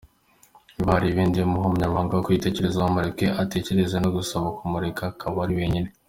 Niba ariko biri, muhe umwanya wo kwitekerezaho, mureke atekereze nagusaba kumureka akaba ari wenyine.